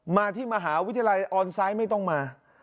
มาที่มหาวิทยาลัยออนไซต์ไม่ต้องมา